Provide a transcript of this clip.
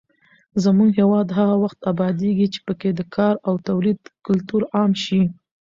زموږ هېواد هغه وخت ابادېږي چې پکې د کار او تولید کلتور عام شي.